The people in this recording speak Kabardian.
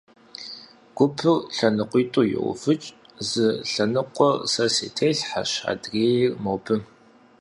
Гупыр лъэныкъуитӀу йоувыкӀ, зы лъэныкъуэр сэ си телъхьэщ, адрейр — мобы.